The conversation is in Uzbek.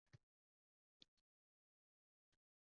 Bu o’rinda millatning daxli yo’q.